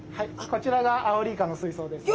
こちらがアオリイカのすいそうですね。